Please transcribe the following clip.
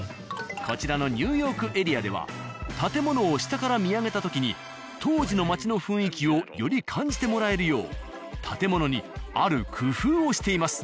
こちらのニューヨークエリアでは建物を下から見上げた時に当時の街の雰囲気をより感じてもらえるよう建物にある工夫をしています。